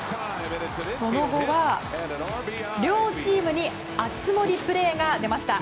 その後は両チームに熱盛プレーが出ました。